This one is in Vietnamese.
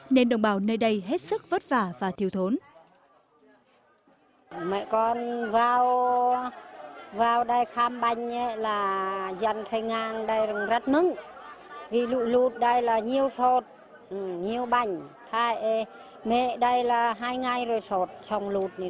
nên đồng bào nơi đây hết sức vất vả và thiếu thốn